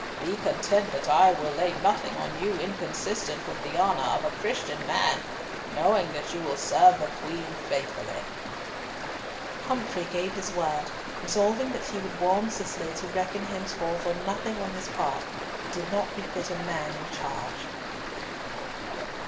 Be content that I will lay nothing on you inconsistent with the honour of a Christian man, knowing that you will serve the Queen faithfully." Humfrey gave his word, resolving that he would warn Cicely to reckon henceforth on nothing on his part that did not befit a man in charge.